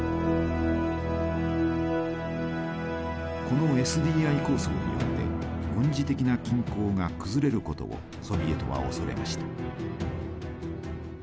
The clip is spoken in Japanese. このＳＤＩ構想によって軍事的な均衡が崩れることをソビエトは恐れました。